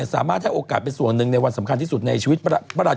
สามารถให้โอกาสเป็นส่วนหนึ่งในวันสำคัญที่สุดในชีวิต